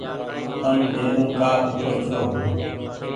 تم ديرو ڪآ اوٺو ڇو ۔